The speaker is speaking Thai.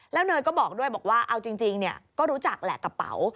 แล้วเนยก็บอกด้วยบอกว่าเอาจริงก็รู้จักแหละกระเป๋า